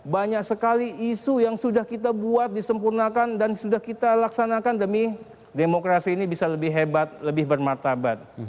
banyak sekali isu yang sudah kita buat disempurnakan dan sudah kita laksanakan demi demokrasi ini bisa lebih hebat lebih bermartabat